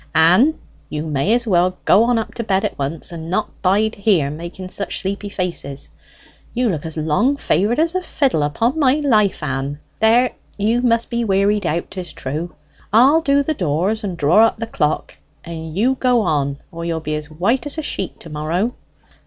"Ann, you may as well go on to bed at once, and not bide there making such sleepy faces; you look as long favoured as a fiddle, upon my life, Ann. There, you must be wearied out, 'tis true. I'll do the doors and draw up the clock; and you go on, or you'll be as white as a sheet to morrow."